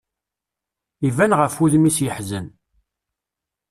Iban ɣef wudem-is yeḥzen.